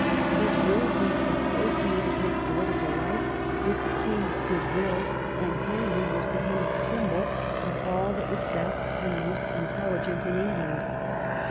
But Wolsey associated his political life with the king's goodwill, and Henry was to him a symbol of all that was best and most intelligent in England.